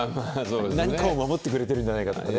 何かを守ってくれてるんではないかとかね。